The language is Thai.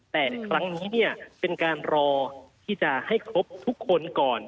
แต่ครั้งนี้เนี่ยเป็นการรอที่จะให้ครบทุกคนก่อน